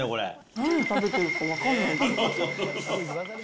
何食べてるか分からないです。